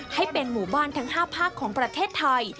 ให้เป็นหมู่บ้านทั้ง๕ภาคของประเทศไทย